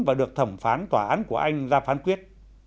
và được thẩm phán tòa án của anh ra phán quyết